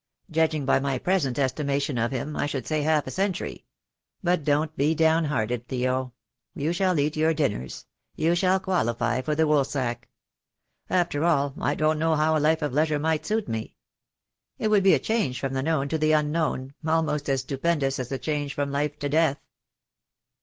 Judging by my present estimation of him, I should say half a century. But don't be downhearted, Theo. You shall eat your dinners. You shall qualify THE DAY WILL COME. I 53 for the Woolsack. After all I don't know how a life of leisure might suit me. It would be a change from the known to the unknown, almost as stupendous as the change from life to death."